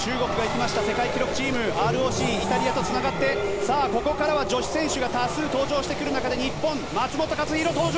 中国ＲＯＣ、イタリアとつながってここからは女子選手が多数登場してくる中で日本、松元克央東城。